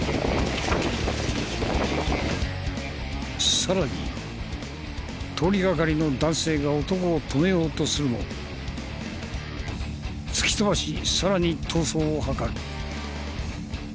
さらに通りがかりの男性が男を止めようとするも突き飛ばしさらに逃走を図る。